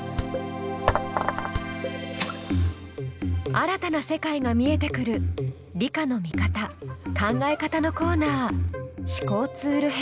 新たな世界が見えてくる理科の見方・考え方のコーナー思考ツール編。